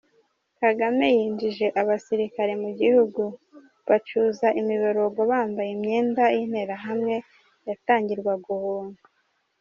Kagame yinjije, abasirikare mu gihugu bacuza imiborogo bambaye imyenda y’interahamwe yatangirwaga ubuntu.